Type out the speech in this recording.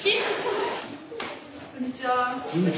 こんにちは！